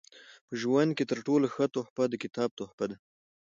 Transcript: په ژوند کښي تر ټولو ښه تحفه د کتاب تحفه ده.